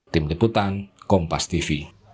tim liputan kompas tv